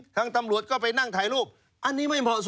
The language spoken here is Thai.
ทางตำรวจก็ไปนั่งถ่ายรูปอันนี้ไม่เหมาะสม